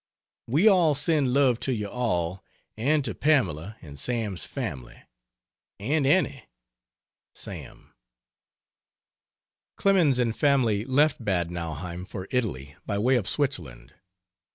We all send love to you all and to Pamela and Sam's family, and Annie. SAM Clemens and family left Bad Nauheim for Italy by way of Switzerland.